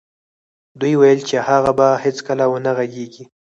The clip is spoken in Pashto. دوی ویل چې هغه به هېڅکله و نه غږېږي